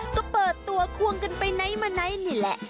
ก็เปิดตัวควงกันไปไหนมาไหนนี่แหละ